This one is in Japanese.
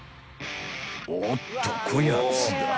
［おっとこやつが］